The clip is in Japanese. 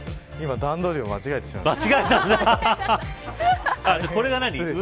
段取りを間違えてしまいました。